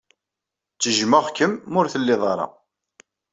Tejjmeɣ-kem mi ur tettiliḍ da.